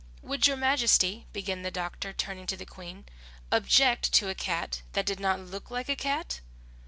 "Would your majesty," began the doctor, turning to the Queen, "object to a cat that did not look like a cat?"